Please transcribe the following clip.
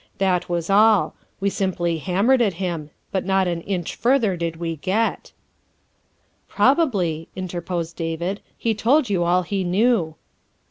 That was all. We simply hammered at him, but not an inch further did we get." " Probably," interposed David, " he told you all he knew.